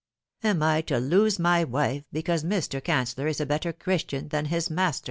Am I to lose my wife because Mr. Cancellor is a better Christian than his Master